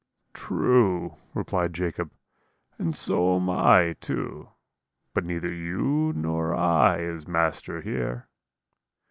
"'True,' replied Jacob, 'and so am I too; but neither you nor I is master here.'